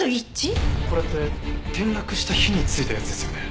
これって転落した日に付いたやつですよね？